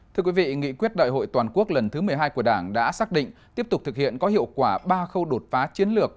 thưa quý vị nghị quyết đại hội toàn quốc lần thứ một mươi hai của đảng đã xác định tiếp tục thực hiện có hiệu quả ba khâu đột phá chiến lược